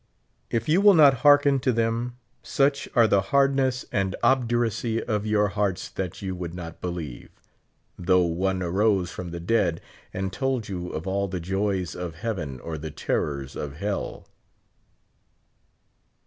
If you will not hearken to them, such are the hardness and obduracy of your hearts that you would not believe, though one arose from the dead and told you of all the joys of heaven or the terrors of hell.